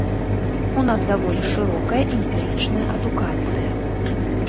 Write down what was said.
У нас даволі шырокая эмпірычная адукацыя.